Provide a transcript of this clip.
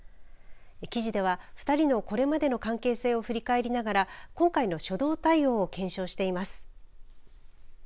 記事では２人のこれまでの関係性を振り返りながら今回の初動対応を検証しています。